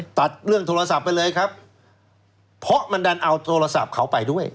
ตัดเรื่องโทรศัพท์ไปเลยครับเพราะมันดันเอาโทรศัพท์เขาไปด้วย